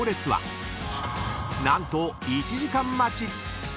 ［何と１時間待ち］